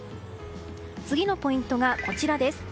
次のポイントがこちら。